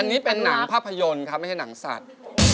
อันนี้เป็นหนังภาพยนตร์ครับไม่ใช่หนังสัตว์